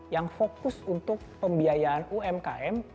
yang fokus untuk pembiayaan umkm